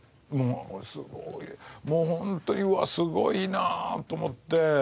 もう本当にうわすごいなと思って。